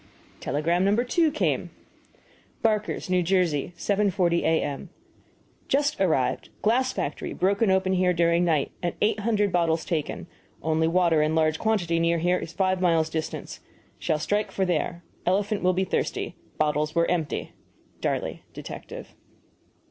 Telegram No. 2 came: BARKER'S, N. J., 7.40 A.M. Just arrived. Glass factory broken open here during night, and eight hundred bottles taken. Only water in large quantity near here is five miles distant. Shall strike for there. Elephant will be thirsty. Bottles were empty. BAKER, Detective.